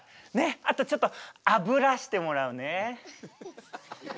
あとちょっとあぶらしてもらうね。